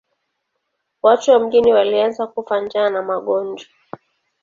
Watu wa mjini walianza kufa njaa na magonjwa.